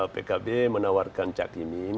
pkb menawarkan cak imin